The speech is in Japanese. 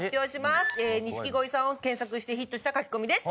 錦鯉さんを検索してヒットしたカキコミです。